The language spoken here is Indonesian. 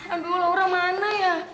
aduh laura mana ya